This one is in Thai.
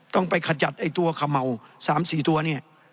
ต้องไปขจัดไอ้ตัวขะเมาสามสี่ตัวนี้